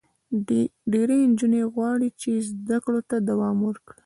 ډېری نجونې غواړي چې زده کړو ته دوام ورکړي.